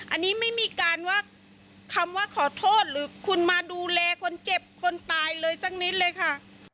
อันนี้ไม่มีการว่าคำว่าขอโทษหรือคุณมาดูแลคนเจ็บคนตายเลยสักนิดเลยค่ะ